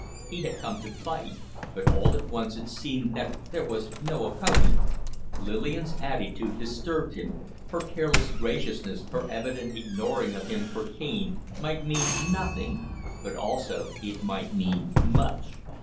He had come to fight, but all at once it seemed that there was no opponent. Lillian's attitude disturbed him; her careless graciousness, her evident ignoring of him for Kaine, might mean nothing but also it might mean much.